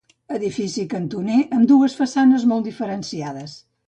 Edifici cantoner amb dues façanes molt diferenciades.